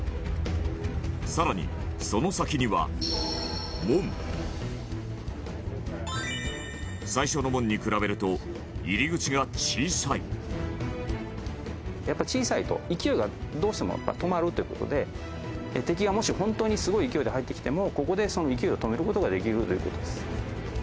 更に、その先には、門最初の門に比べると入り口が小さいやっぱり、小さいと、勢いがどうしても止まるという事で敵が、もし、本当にすごい勢いで入ってきてもここで、その勢いを止める事ができるという事です。